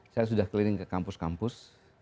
saya sudah keliling ke kampus kampus